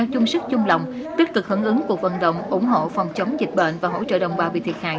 chung sức chung lòng tích cực hưởng ứng cuộc vận động ủng hộ phòng chống dịch bệnh và hỗ trợ đồng bào bị thiệt hại